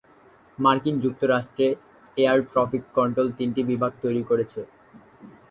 মার্কিন যুক্তরাষ্ট্রে air traffic control তিনটি বিভাগ তৈরি করেছে।